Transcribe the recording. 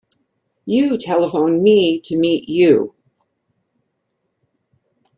You telephoned me to meet you.